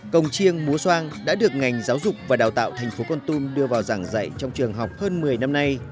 công chiêng múa soang đã được ngành giáo dục và đào tạo thành phố con tum đưa vào giảng dạy trong trường học hơn một mươi năm nay